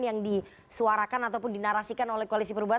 yang disuarakan ataupun dinarasikan oleh koalisi perubahan